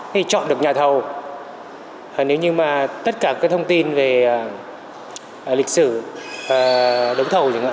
khi chọn được nhà thầu nếu như mà tất cả các thông tin về lịch sử đấu thầu chẳng hạn